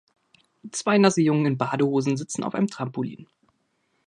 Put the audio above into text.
Zwei nasse Jungen in Badehosen sitzen auf einem Trampolin